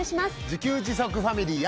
自給自足ファミリーや。